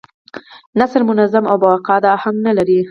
نثر منظم او با قاعده اهنګ نه لري.